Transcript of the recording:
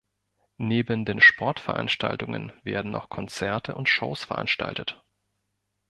Neben den Sportveranstaltungen werden auch Konzerte und Shows veranstaltet.